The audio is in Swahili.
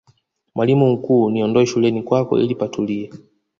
mwalimu mkuu niondoe shuleni kwako ili patulie